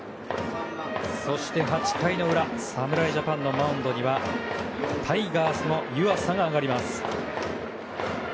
８回の裏侍ジャパンのマウンドにはタイガースの湯浅が上がります。